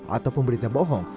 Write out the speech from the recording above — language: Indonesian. ataupun berita bohong